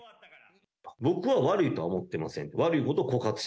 僕は悪いとは思ってません。